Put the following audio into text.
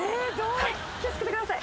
気を付けてください。